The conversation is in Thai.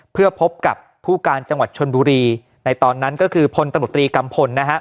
เพื่อพบกับผู้การจังหวัดชนบุรีในตอนนั้นก็คือพลตำรวจตรีกัมพลนะฮะ